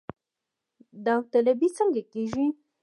داوطلبي څنګه کیږي؟